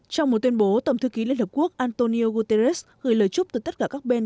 trong một tuyên bố tổng thư ký liên hợp quốc antonio guterres gửi lời chúc từ tất cả các bên